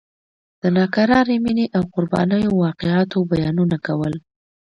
د ناکرارې مینې او قربانیو واقعاتو بیانونه کول.